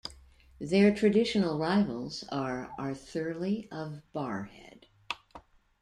Their traditional rivals are Arthurlie of Barrhead.